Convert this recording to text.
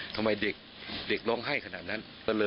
ทำไมเด็กร้องไห้ขนาดนั้น